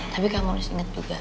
tapi kamu harus ingat juga